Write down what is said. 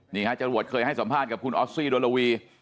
นี่ฮะจรวดเคยให้สัมภาษณ์กับคุณออสซี่โดโลวี